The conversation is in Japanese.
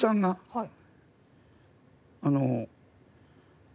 はい。